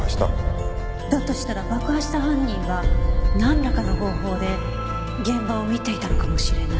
だとしたら爆破した犯人はなんらかの方法で現場を見ていたのかもしれない。